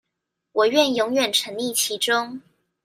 我願永遠沈溺其中